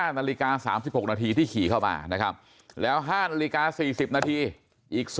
นาฬิกา๓๖นาทีที่ขี่เข้ามานะครับแล้ว๕นาฬิกา๔๐นาทีอีก